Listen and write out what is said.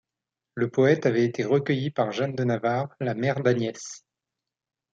Le poète avait été recueilli par Jeanne de Navarre, la mère d'Agnès.